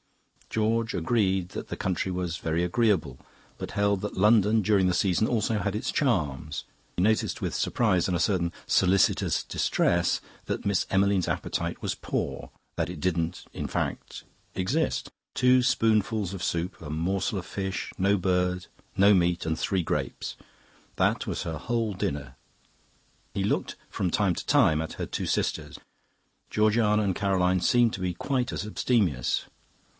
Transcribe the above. George agreed that the country was very agreeable, but held that London during the season also had its charms. He noticed with surprise and a certain solicitous distress that Miss Emmeline's appetite was poor, that it didn't, in fact, exist. Two spoonfuls of soup, a morsel of fish, no bird, no meat, and three grapes that was her whole dinner. He looked from time to time at her two sisters; Georgiana and Caroline seemed to be quite as abstemious.